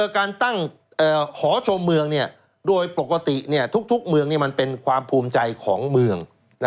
การตั้งหอชมเมืองโดยปกติทุกเมืองมันเป็นความภูมิใจของเมือง